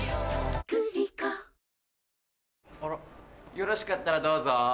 よろしかったらどうぞ。